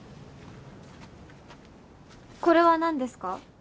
これは何ですか？